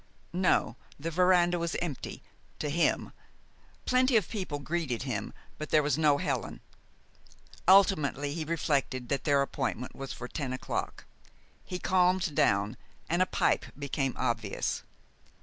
No, the veranda was empty to him. Plenty of people greeted him; but there was no Helen. Ultimately he reflected that their appointment was for ten o'clock. He calmed down, and a pipe became obvious.